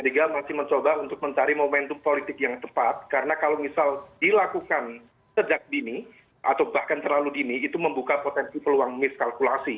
p tiga masih mencoba untuk mencari momentum politik yang tepat karena kalau misal dilakukan sejak dini atau bahkan terlalu dini itu membuka potensi peluang miskalkulasi